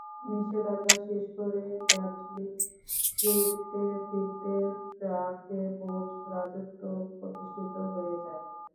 নিষেধাজ্ঞা শেষ করে গ্যাটলিন ফিরতে ফিরতে ট্র্যাকে বোল্ট-রাজত্ব প্রতিষ্ঠিত হয়ে যায়।